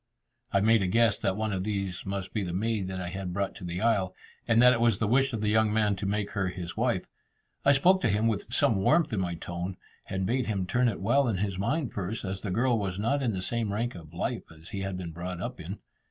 I made a guess that one of these must be the maid that I had brought to the isle, and that it was the wish of the young man to make her his wife. I spoke to him with some warmth in my tone, and bade him turn it well in his mind first, as the girl was not in the same rank of life as he had been brought up in.